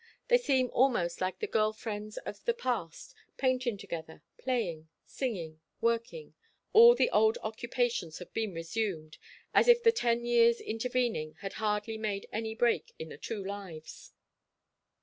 They seem almost like the girl friends of the past, painting together, playing, singing, working. All the old occupations have been resumed; as if the ten years intervening had hardly made any break in the two lives.